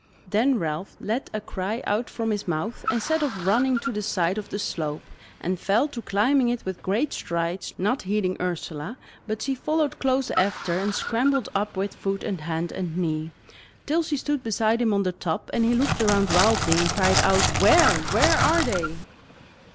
Then Ralph let a cry out from his mouth, and set off running to the side of the slope, and fell to climbing it with great strides, not heeding Ursula; but she followed close after, and scrambled up with foot and hand and knee, till she stood beside him on the top, and he looked around wildly and cried out: "Where! where are they?"